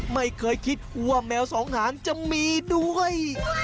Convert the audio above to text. ไม่เคยคิดว่าแมวสองหางจะมีด้วย